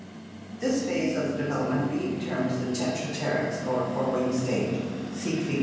This phase of the development Beebe terms the Tetrapteryx or four winged stage (see Fig.